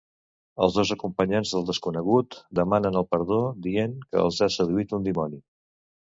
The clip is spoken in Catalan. Els dos acompanyants del Desconegut demanen el perdó, dient que els ha seduït un dimoni.